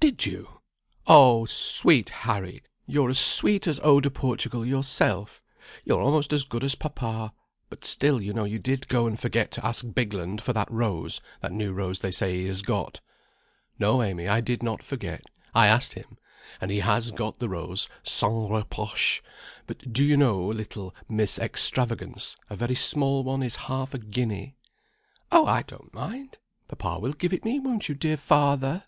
"Did you! Oh, sweet Harry; you're as sweet as eau de Portugal yourself; you're almost as good as papa; but still you know you did go and forget to ask Bigland for that rose, that new rose they say he has got." "No, Amy, I did not forget. I asked him, and he has got the Rose, sans reproche; but do you know, little Miss Extravagance, a very small one is half a guinea?" "Oh, I don't mind. Papa will give it me, won't you, dear father?